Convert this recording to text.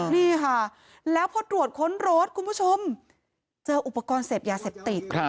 นี่ค่ะแล้วพอตรวจค้นรถคุณผู้ชมเจออุปกรณ์เสพยาเสพติด